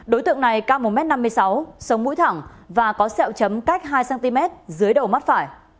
đối tượng này cao một m năm mươi sáu sống mũi thẳng và có sẹo chấm cách hai cm dưới đầu mắt phải